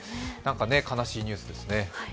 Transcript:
悲しいニュースですね。